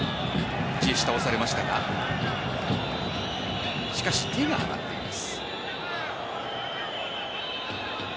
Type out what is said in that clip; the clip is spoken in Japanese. ジエシュ、倒されましたがしかし、手が上がっています。